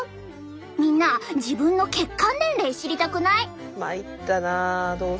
みんな自分の血管年齢知りたくない？